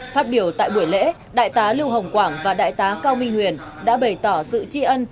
phát biểu tại buổi lễ đại tá lưu hồng quảng và đại tá cao minh huyền đã bày tỏ sự tri ân